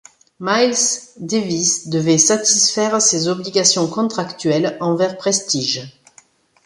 Miles Davis devait satisfaire ses obligations contractuelles envers Prestige.